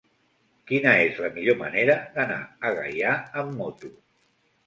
Quina és la millor manera d'anar a Gaià amb moto?